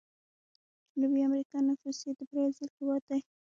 جنوبي امريکا نفوس یې د برازیل هیواد دی.